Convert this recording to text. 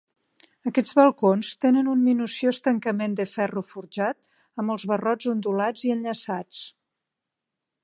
Aquests balcons tenen un minuciós tancament de ferro forjat, amb els barrots ondulats i enllaçats.